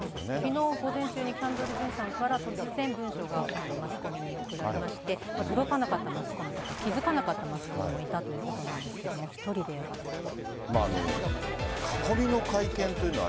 きのう午前中にキャンドル・ジュンさんから突然、文書がマスコミに送られまして、届かなかったマスコミとか、気付かなかったマスコミもいたということなんですけど、１人でやられたと。